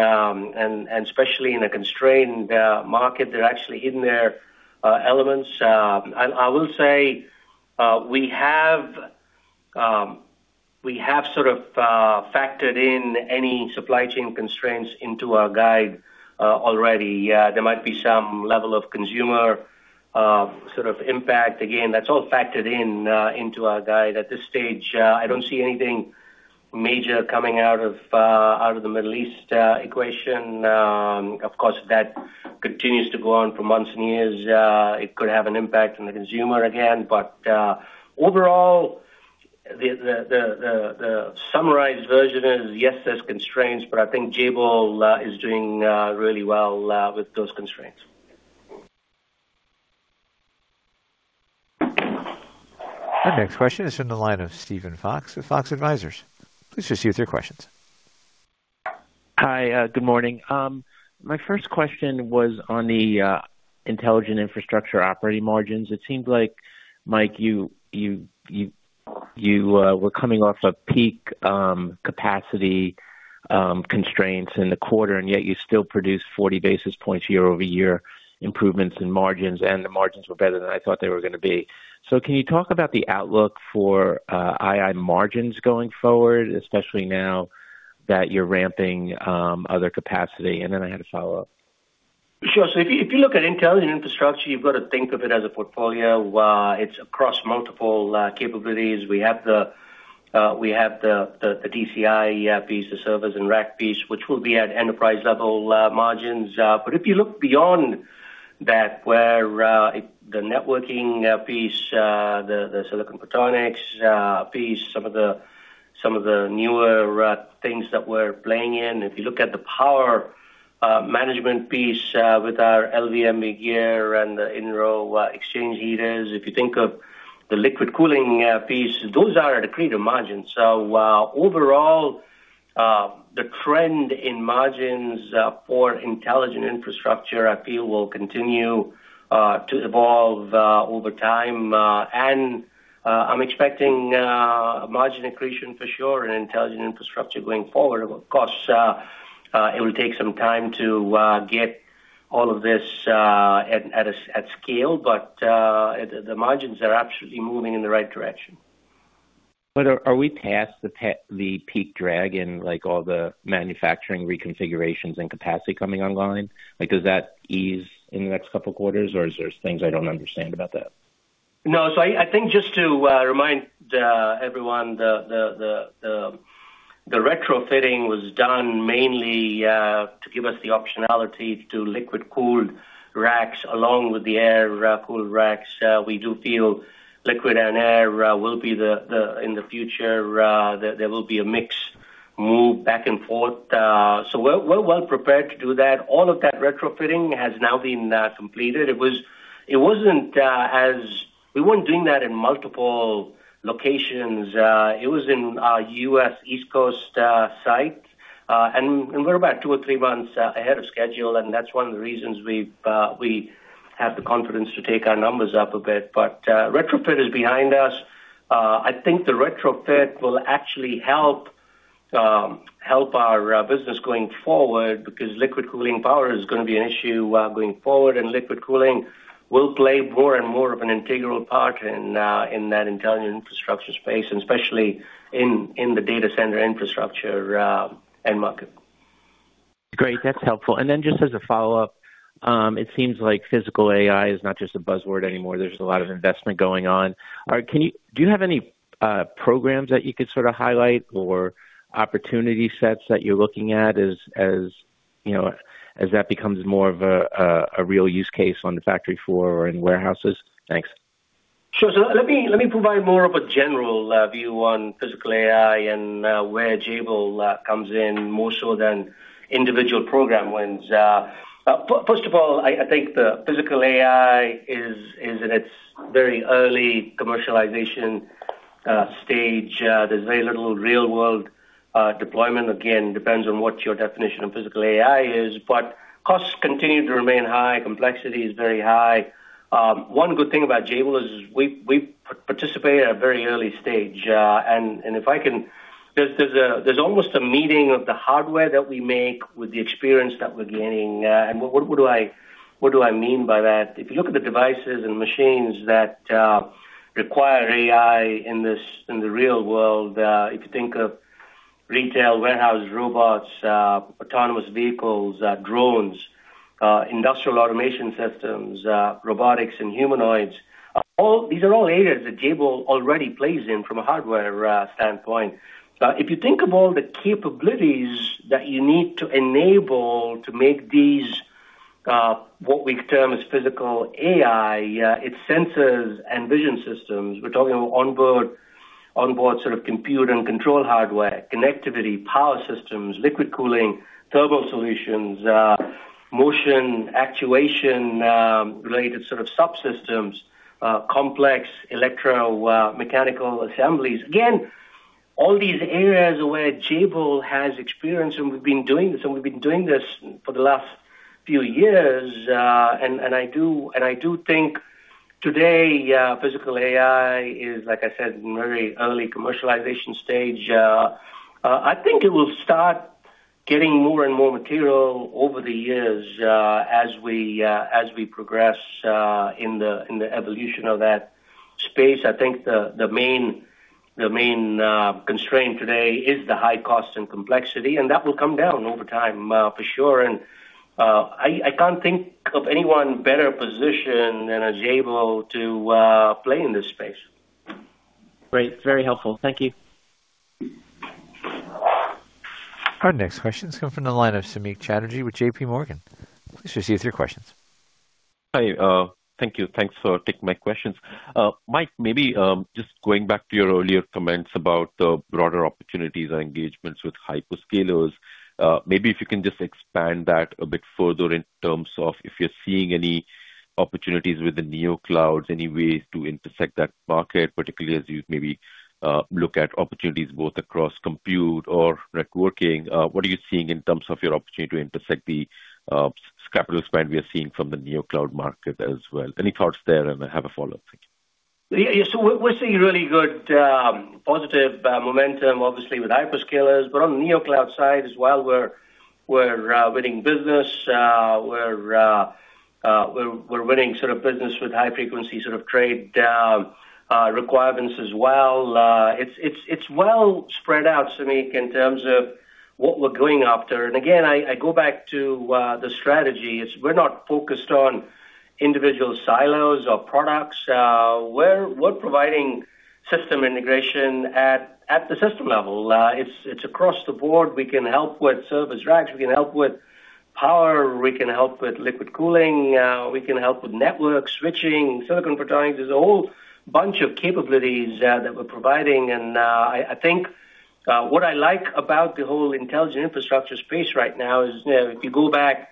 especially in a constrained market, they're actually hedging their elements. I will say, we have sort of factored in any supply chain constraints into our guide already. There might be some level of consumer sort of impact. Again, that's all factored in into our guide. At this stage, I don't see anything major coming out of the Middle East situation. Of course, that continues to go on for months and years. It could have an impact on the consumer again. Overall, the summarized version is, yes, there's constraints, but I think Jabil is doing really well with those constraints. Our next question is from the line of Steven Fox with Fox Advisors. Please proceed with your questions. Hi. Good morning. My first question was on the Intelligent Infrastructure operating margins. It seems like, Mike, you were coming off a peak capacity constraints in the quarter, and yet you still produced 40 basis points year-over-year improvements in margins, and the margins were better than I thought they were gonna be. Can you talk about the outlook for II margins going forward, especially now that you're ramping other capacity? And then I had a follow-up. Sure. If you look at Intelligent Infrastructure, you've got to think of it as a portfolio. It's across multiple capabilities. We have the DCI piece, the servers and rack piece, which will be at enterprise-level margins. But if you look beyond that, the networking piece, the Silicon Photonics piece, some of the newer things that we're playing in. If you look at the power management piece, with our LV/MV gear and the in-row heat exchangers, if you think of the liquid cooling piece, those are at a greater margin. Overall, the trend in margins for Intelligent Infrastructure, I feel, will continue to evolve over time. I'm expecting margin accretion for sure in Intelligent Infrastructure going forward. Of course, it will take some time to get all of this at scale, but the margins are absolutely moving in the right direction. Are we past the peak drag in, like, all the manufacturing reconfigurations and capacity coming online? Like, does that ease in the next couple of quarters, or is there things I don't understand about that? No. I think just to remind everyone, the retrofitting was done mainly to give us the optionality to liquid-cooled racks along with the air-cooled racks. We do feel liquid and air will be in the future. There will be a mix move back and forth. We're well prepared to do that. All of that retrofitting has now been completed. We weren't doing that in multiple locations. It was in our U.S. East Coast site. We're about two or three months ahead of schedule, and that's one of the reasons we have the confidence to take our numbers up a bit. Retrofit is behind us. I think the retrofit will actually help our business going forward because liquid cooling power is gonna be an issue going forward, and liquid cooling will play more and more of an integral part in that Intelligent Infrastructure space and especially in the data center infrastructure end market. Great. That's helpful. Just as a follow-up, it seems like Physical AI is not just a buzzword anymore. There's a lot of investment going on. Do you have any programs that you could sort of highlight or opportunity sets that you're looking at as, you know, as that becomes more of a real use case on the factory floor or in warehouses? Thanks. Sure. Let me provide more of a general view on Physical AI and where Jabil comes in more so than individual program wins. First of all, I think Physical AI is in its very early commercialization stage. There's very little real-world deployment. Again, depends on what your definition of Physical AI is. Costs continue to remain high. Complexity is very high. One good thing about Jabil is we participate at a very early stage. There's almost a meeting of the hardware that we make with the experience that we're gaining. What do I mean by that? If you look at the devices and machines that require AI in this, in the real world, if you think of retail, warehouse robots, autonomous vehicles, drones, industrial automation systems, robotics and humanoids, these are all areas that Jabil already plays in from a hardware standpoint. If you think of all the capabilities that you need to enable to make these, what we term as Physical AI, it's sensors and vision systems. We're talking about onboard sort of compute and control hardware, connectivity, power systems, liquid cooling, thermal solutions, motion, actuation, related sort of subsystems, complex electromechanical assemblies. Again, all these areas where Jabil has experience, and we've been doing this for the last few years. I do think today Physical AI is, like I said, in a very early commercialization stage. I think it will start getting more and more material over the years as we progress in the evolution of that space. I think the main constraint today is the high cost and complexity, and that will come down over time for sure. I can't think of anyone better positioned than Jabil to play in this space. Great. Very helpful. Thank you. Our next question is coming from the line of Samik Chatterjee with JP Morgan. Please proceed with your questions. Hi, thank you. Thanks for taking my questions. Mike, maybe just going back to your earlier comments about the broader opportunities and engagements with hyperscalers, maybe if you can just expand that a bit further in terms of if you're seeing any opportunities with the Neoclouds, any ways to intersect that market, particularly as you maybe look at opportunities both across compute or networking. What are you seeing in terms of your opportunity to intersect the CapEx spend we are seeing from the Neoclouds market as well? Any thoughts there? I have a follow-up. Thank you. Yeah, we're seeing really good positive momentum, obviously with hyperscalers. On the Neoclouds side as well, we're winning business. We're winning sort of business with high frequency sort of trade down requirements as well. It's well spread out, Samik, in terms of what we're going after. Again, I go back to the strategy. We're not focused on individual silos or products. We're providing system integration at the system level. It's across the board. We can help with server racks. We can help with power. We can help with liquid cooling. We can help with network switching, Silicon Photonics. There's a whole bunch of capabilities that we're providing. I think what I like about the whole Intelligent Infrastructure space right now is, you know, if you go back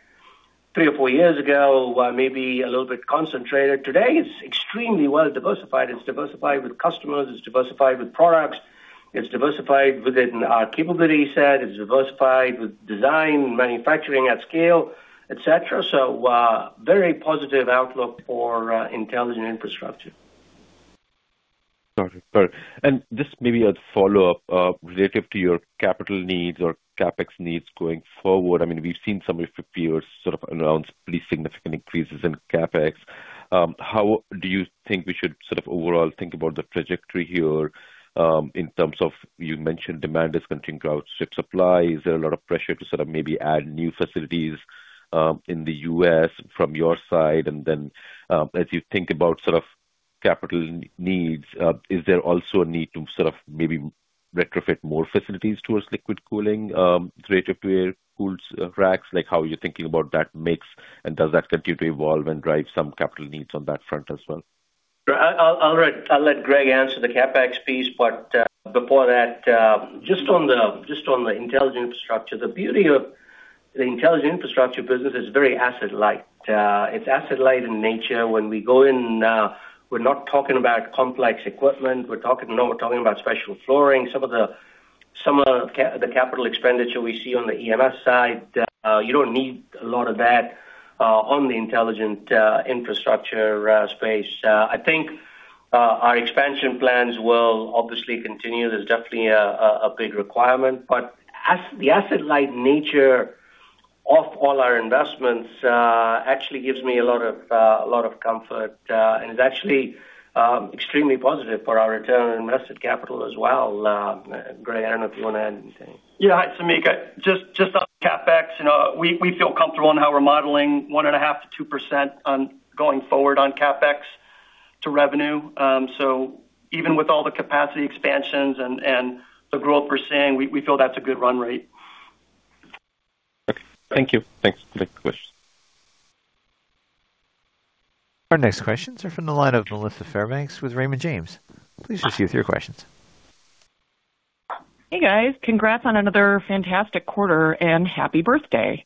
three or four years ago, maybe a little bit concentrated. Today, it's extremely well-diversified. It's diversified with customers, it's diversified with products, it's diversified within our capability set, it's diversified with design, manufacturing at scale, et cetera. Very positive outlook for Intelligent Infrastructure. Got it. Just maybe a follow-up related to your capital needs or CapEx needs going forward. I mean, we've seen some of your peers sort of announce pretty significant increases in CapEx. How do you think we should sort of overall think about the trajectory here, in terms of you mentioned demand is continuing to outstrip supply. Is there a lot of pressure to sort of maybe add new facilities, in the U.S. from your side? And then, as you think about sort of capital needs, is there also a need to sort of maybe retrofit more facilities towards liquid cooling, through H2O-cooled racks? Like, how are you thinking about that mix, and does that continue to evolve and drive some capital needs on that front as well? I'll let Greg Hebard answer the CapEx piece. Before that, just on the Intelligent Infrastructure, the beauty of the Intelligent Infrastructure business, it's very asset light. It's asset light in nature. When we go in, we're not talking about complex equipment. We're talking, you know, we're talking about special flooring. Some of the capital expenditure we see on the EMS side, you don't need a lot of that on the Intelligent Infrastructure space. I think our expansion plans will obviously continue. There's definitely a big requirement. As the asset light nature of all our investments actually gives me a lot of comfort and is actually extremely positive for our Return on Invested Capital as well. Greg, I don't know if you wanna add anything. Hi, Samik. Just on CapEx, you know, we feel comfortable in how we're modeling 1.5%-2% going forward on CapEx to revenue. So even with all the capacity expansions and the growth we're seeing, we feel that's a good run rate. Okay. Thank you. Thanks for questions. Our next questions are from the line of Melissa Fairbanks with Raymond James. Please proceed with your questions. Hey, guys. Congrats on another fantastic quarter, and happy birthday.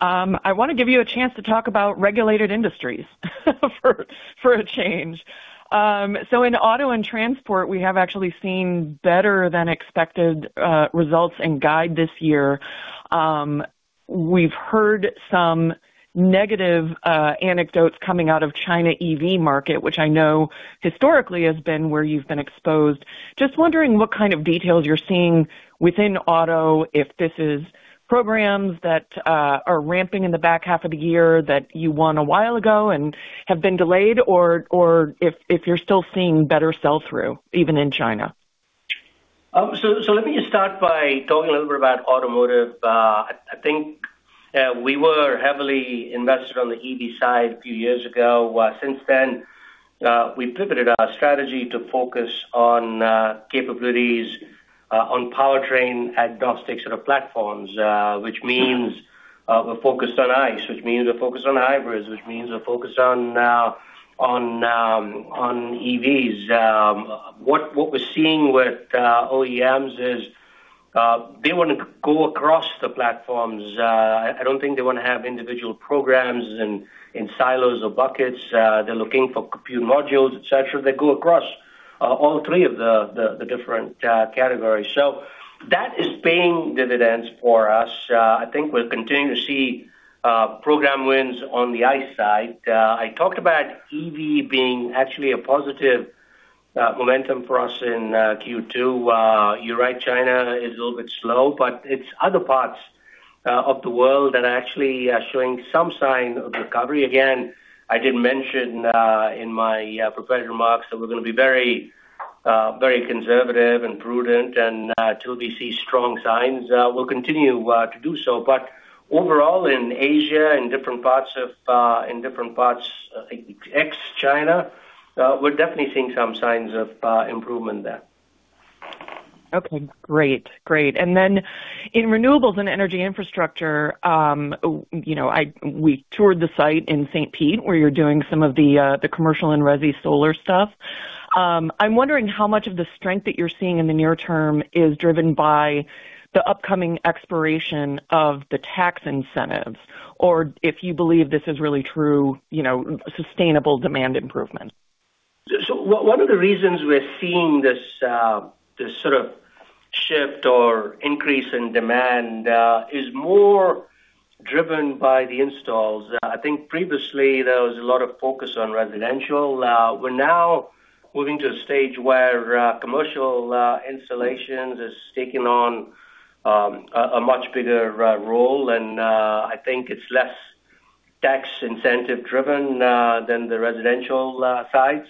I wanna give you a chance to talk about Regulated Industries for a change. In auto and transport, we have actually seen better than expected results and guide this year. We've heard some negative anecdotes coming out of China EV market, which I know historically has been where you've been exposed. Just wondering what kind of details you're seeing within auto, if this is programs that are ramping in the back half of the year that you won a while ago and have been delayed, or if you're still seeing better sell-through even in China. Let me just start by talking a little bit about automotive. I think we were heavily invested on the EV side a few years ago. Since then, we pivoted our strategy to focus on capabilities on powertrain agnostic sort of platforms, which means we're focused on ICE, which means we're focused on hybrids, which means we're focused on EVs. What we're seeing with OEMs is they wanna go across the platforms. I don't think they wanna have individual programs in silos or buckets. They're looking for compute modules, et cetera, that go across all three of the different categories. That is paying dividends for us. I think we're continuing to see program wins on the ICE side. I talked about EV being actually a positive momentum for us in Q2. You're right, China is a little bit slow, but it's other parts of the world that are actually showing some sign of recovery. Again, I did mention in my prepared remarks that we're gonna be very conservative and prudent, and till we see strong signs, we'll continue to do so. Overall, in Asia, in different parts ex China, we're definitely seeing some signs of improvement there. Okay, great. In renewables and energy infrastructure, you know, we toured the site in St. Pete where you're doing some of the commercial and resi solar stuff. I'm wondering how much of the strength that you're seeing in the near term is driven by the upcoming expiration of the tax incentives or if you believe this is really true, you know, sustainable demand improvement. One of the reasons we're seeing this sort of shift or increase in demand is more driven by the installs. I think previously there was a lot of focus on residential. We're now moving to a stage where commercial installations is taking on a much bigger role, and I think it's less tax incentive driven than the residential side.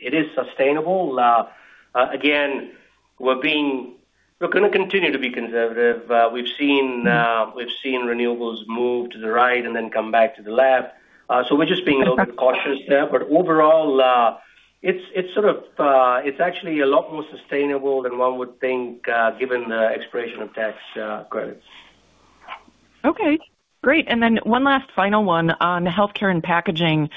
It is sustainable. Again, we're gonna continue to be conservative. We've seen renewables move to the right and then come back to the left. We're just being a little bit cautious there. Overall, it's actually a lot more sustainable than one would think, given the expiration of tax credits. Okay, great. One last final one on healthcare and packaging.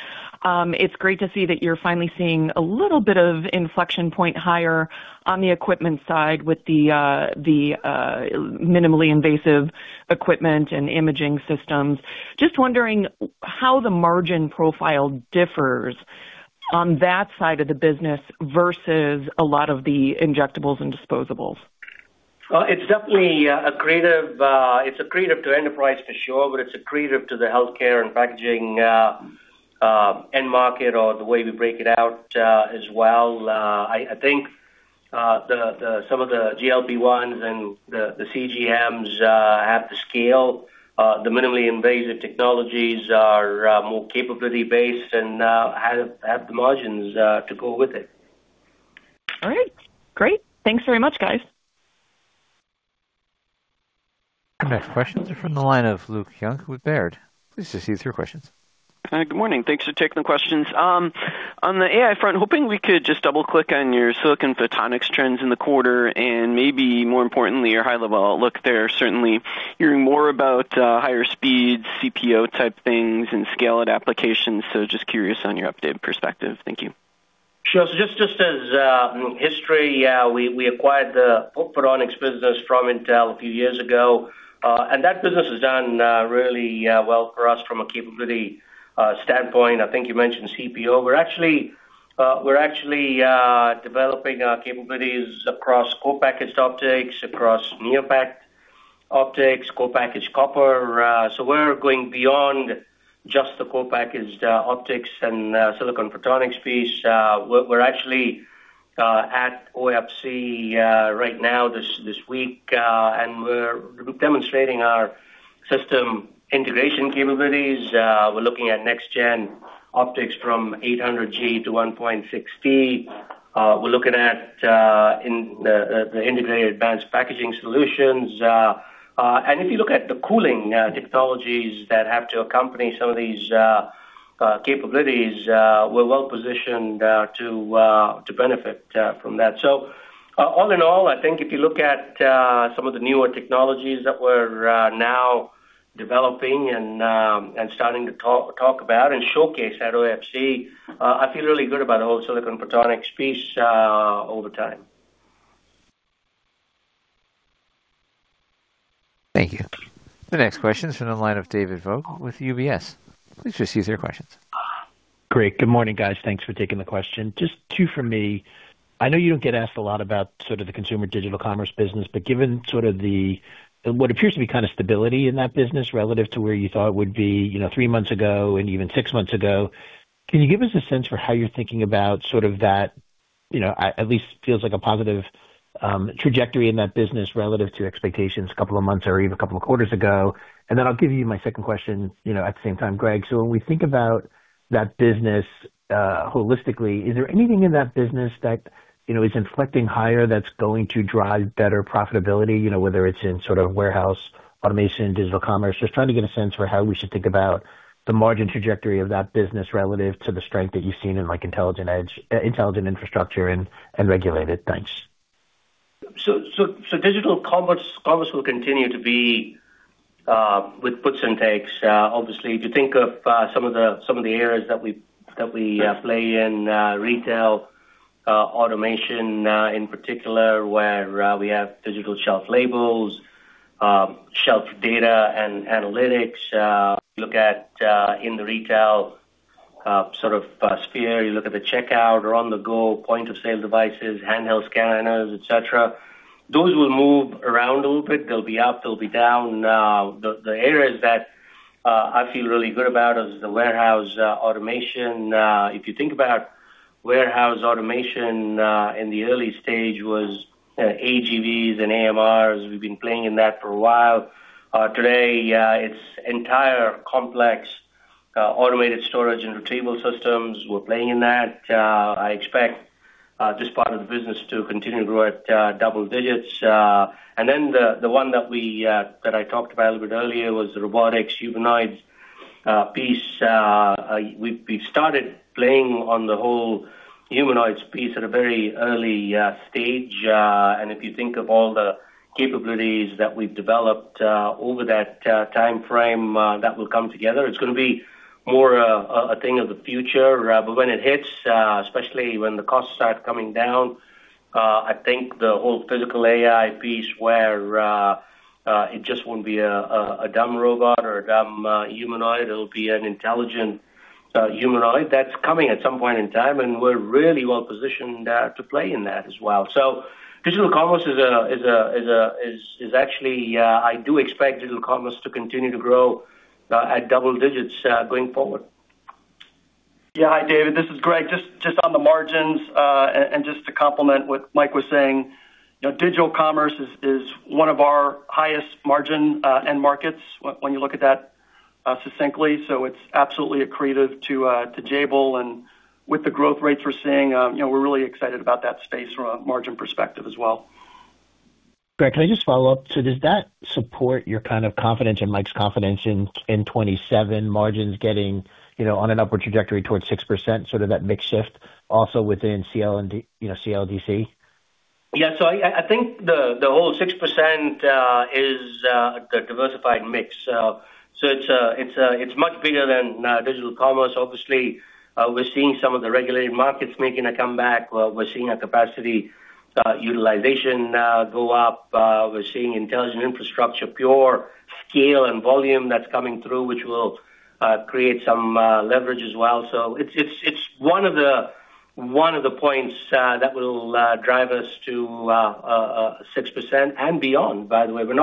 It's great to see that you're finally seeing a little bit of inflection point higher on the equipment side with the minimally invasive equipment and imaging systems. Just wondering how the margin profile differs on that side of the business versus a lot of the injectables and disposables. It's definitely accretive. It's accretive to Enterprise for sure, but it's accretive to the healthcare and packaging end market or the way we break it out as well. I think some of the GLP-1s and the CGMs have the scale. The minimally invasive technologies are more capability-based and have the margins to go with it. All right. Great. Thanks very much, guys. Our next question is from the line of Luke Junk with Baird. Please go ahead with your question. Good morning. Thanks for taking the questions. On the AI front, hoping we could just double-click on your Silicon Photonics trends in the quarter and maybe more importantly, your high-level outlook there. Certainly hearing more about higher speeds, CPO type things and scale out applications. Just curious on your updated perspective. Thank you. Sure. Just as history, we acquired the photonics business from Intel a few years ago, and that business has done really well for us from a capability standpoint. I think you mentioned CPO. We're actually developing our capabilities across co-packaged optics, across near-package optics, co-packaged copper. We're going beyond just the co-packaged optics and silicon photonics piece. We're actually at OFC right now this week, and we're demonstrating our system integration capabilities. We're looking at next gen optics from 800G to 1.6T. We're looking at in the integrated advanced packaging solutions. If you look at the cooling technologies that have to accompany some of these capabilities, we're well positioned to benefit from that. All in all, I think if you look at some of the newer technologies that we're now developing and starting to talk about and showcase at OFC, I feel really good about the whole Silicon Photonics piece over time. Thank you. The next question is from the line of David Vogt with UBS. Please just use your questions. Great. Good morning, guys. Thanks for taking the question. Just two for me. I know you don't get asked a lot about sort of the consumer digital commerce business, but given sort of the, what appears to be kind of stability in that business relative to where you thought it would be, you know, three months ago and even six months ago, can you give us a sense for how you're thinking about sort of that, you know, at least feels like a positive trajectory in that business relative to expectations a couple of months or even a couple of quarters ago? Then I'll give you my second question, you know, at the same time, Greg. When we think about that business holistically, is there anything in that business that, you know, is inflecting higher that's going to drive better profitability, you know, whether it's in sort of warehouse automation, digital commerce? Just trying to get a sense for how we should think about the margin trajectory of that business relative to the strength that you've seen in like Intelligent Infrastructure and Regulated Industries. Thanks. Digital commerce will continue to be with puts and takes, obviously, if you think of some of the areas that we play in, retail automation in particular, where we have digital shelf labels, shelf data and analytics. Look at, in the retail sort of sphere, you look at the checkout or on-the-go point-of-sale devices, handheld scanners, et cetera. Those will move around a little bit. They'll be up, they'll be down. The areas that I feel really good about is the warehouse automation. If you think about warehouse automation, in the early stage was AGVs and AMRs. We've been playing in that for a while. Today, its entire complex Automated Storage and Retrieval Systems, we're playing in that. I expect this part of the business to continue to grow at double digits. The one that I talked about a little bit earlier was the robotics humanoids piece. We've started playing on the whole humanoids piece at a very early stage. If you think of all the capabilities that we've developed over that timeframe, that will come together. It's gonna be more a thing of the future, but when it hits, especially when the costs start coming down, I think the whole Physical AI piece where it just won't be a dumb robot or a dumb humanoid, it'll be an intelligent humanoid. That's coming at some point in time, and we're really well positioned to play in that as well. Digital Commerce is actually. I do expect Digital Commerce to continue to grow at double digits going forward. Yeah. Hi, David, this is Greg. Just on the margins, and just to complement what Mike was saying, you know, digital commerce is one of our highest margin end markets when you look at that succinctly. So it's absolutely accretive to Jabil. With the growth rates we're seeing, you know, we're really excited about that space from a margin perspective as well. Greg, can I just follow up? Does that support your kind of confidence and Mike's confidence in 2027 margins getting, you know, on an upward trajectory towards 6%, sort of that mix shift also within CL&D, you know, CLDC? Yeah. I think the whole 6% is a diversified mix. It's much bigger than digital commerce. Obviously, we're seeing some of the regulated markets making a comeback. We're seeing a capacity utilization go up. We're seeing Intelligent Infrastructure, pure scale and volume that's coming through, which will create some leverage as well. It's one of the points that will drive us to 6% and beyond. By the way, we're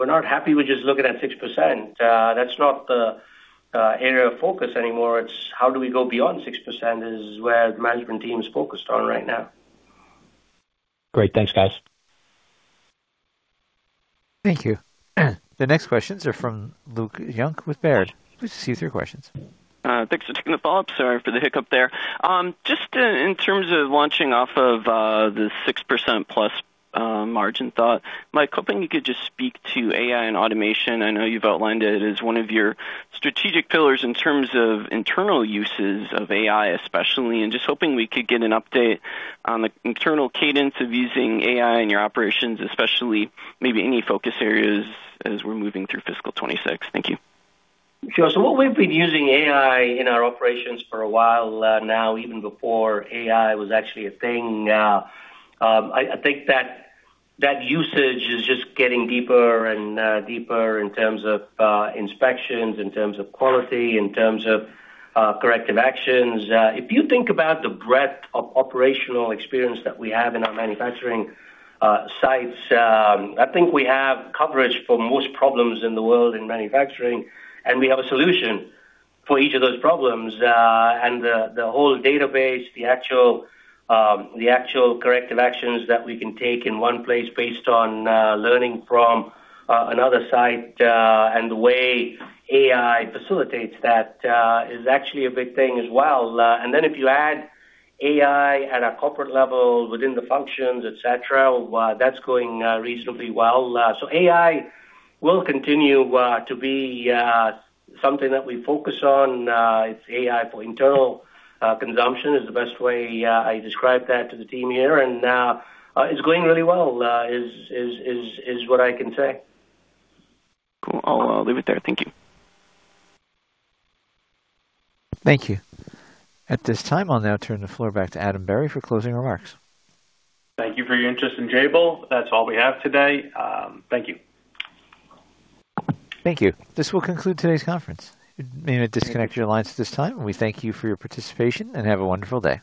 not happy with just looking at 6%. That's not the area of focus anymore. It's how do we go beyond 6% is where the management team is focused on right now. Great. Thanks, guys. Thank you. The next questions are from Luke Junk with Baird. Please just use your questions. Thanks for taking the follow-up. Sorry for the hiccup there. Just in terms of launching off of the 6%+ margin thought. Mike, hoping you could just speak to AI and automation. I know you've outlined it as one of your strategic pillars in terms of internal uses of AI especially, and just hoping we could get an update on the internal cadence of using AI in your operations, especially maybe any focus areas as we're moving through fiscal 2026. Thank you. Sure. We've been using AI in our operations for a while now, even before AI was actually a thing. I think that usage is just getting deeper and deeper in terms of inspections, in terms of quality, in terms of corrective actions. If you think about the breadth of operational experience that we have in our manufacturing sites, I think we have coverage for most problems in the world in manufacturing, and we have a solution for each of those problems. And the whole database, the actual corrective actions that we can take in one place based on learning from another site, and the way AI facilitates that is actually a big thing as well. If you add AI at a corporate level within the functions, et cetera, that's going reasonably well. AI will continue to be something that we focus on. It's AI for internal consumption is the best way I describe that to the team here, and it's going really well is what I can say. Cool. I'll leave it there. Thank you. Thank you. At this time, I'll now turn the floor back to Adam Berry for closing remarks. Thank you for your interest in Jabil. That's all we have today. Thank you. Thank you. This will conclude today's conference. You may now disconnect your lines at this time, and we thank you for your participation and have a wonderful day.